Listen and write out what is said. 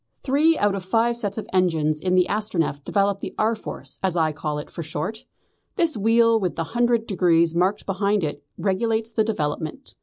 "Three out of the five sets of engines in the Astronef develop the R. Force, as I call it for short. This wheel with the hundred degrees marked behind it regulates the development.